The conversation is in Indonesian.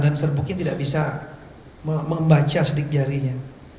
dan serbuknya tidak bisa membaca sidik jarinya